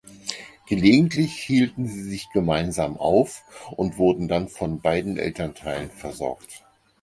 Gelegentlich hielten sie sich gemeinsam auf und wurden dann von beiden Elternteilen versorgt.